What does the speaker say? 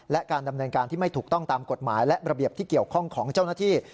และการดำเนินการที่ไม่ถูกต้องตามกฎหมายและระเบียบที่เกี่ยวข้องของเจ้าหน้าที่